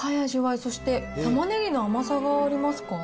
そしてタマネギの甘さがありますか？